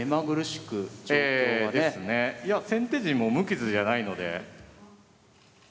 いや先手陣も無傷じゃないので。